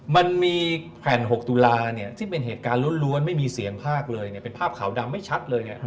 มันมีแผ่น๖ตุลาเนี่ยซึ่งเป็นเหตุการณ์ล้วนไม่มีเสียงภาคเลยเป็นภาพขาวดำไม่ชัดเลย